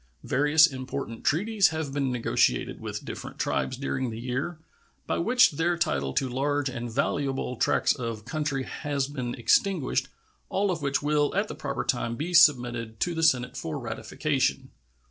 Various important treaties have been negotiated with different tribes during the year, by which their title to large and valuable tracts of country has been extinguished, all of which will at the proper time be submitted to the Senate for ratification.